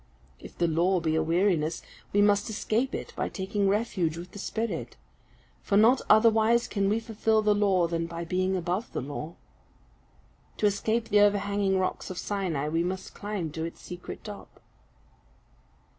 If the law be a weariness, we must escape it by taking refuge with the spirit, for not otherwise can we fulfil the law than by being above the law. To escape the overhanging rocks of Sinai, we must climb to its secret top.